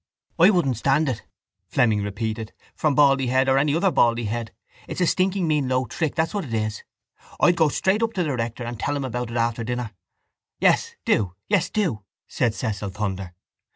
—I wouldn't stand it, Fleming repeated, from Baldyhead or any other Baldyhead. It's a stinking mean low trick, that's what it is. I'd go straight up to the rector and tell him about it after dinner. —Yes, do. Yes, do, said Cecil Thunder.